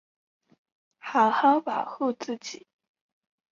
好好保护自己